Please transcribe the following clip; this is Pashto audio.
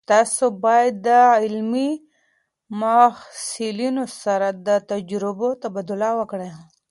تاسو باید د علمي محصلینو سره د تجربو تبادله وکړئ.